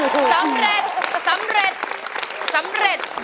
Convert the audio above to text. สำเร็จสำเร็จสำเร็จ